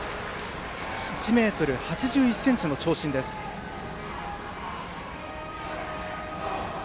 １ｍ８１ｃｍの長身です、升田。